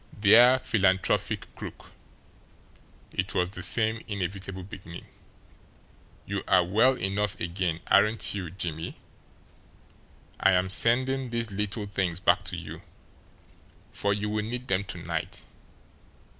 "Dear Philanthropic Crook" it was the same inevitable beginning. "You are well enough again, aren't you, Jimmie? I am sending these little things back to you, for you will need them to night."